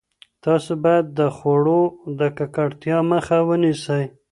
تاسو باید د خوړو د ککړتیا مخه ونیسئ.